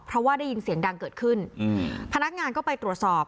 เพราะว่าได้ยินเสียงดังเกิดขึ้นอืมพนักงานก็ไปตรวจสอบ